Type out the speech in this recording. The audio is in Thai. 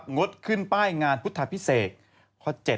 งดขึ้นป้ายงานพุทธพิเศษ